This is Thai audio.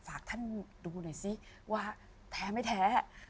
ฝากท่านดูหน่อยซิว่าแท้ไม่แท้